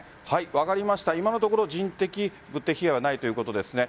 今のところ人的、物的被害はないということですね。